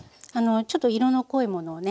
ちょっと色の濃いものをね